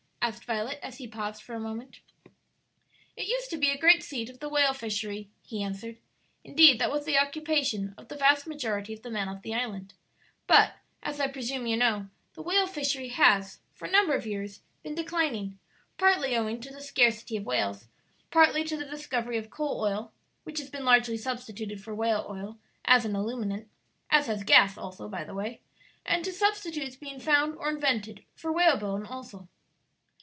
asked Violet, as he paused for a moment. "It used to be a great seat of the whale fishery," he answered; "indeed, that was the occupation of the vast majority of the men of the island; but, as I presume you know, the whale fishery has, for a number of years, been declining, partly owing to the scarcity of whales, partly to the discovery of coal oil, which has been largely substituted for whale oil as an illuminant (as has gas also, by the way), and to substitutes being found or invented for whale bone also.